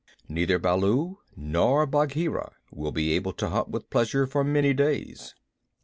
Neither Baloo nor Bagheera will be able to hunt with pleasure for many days."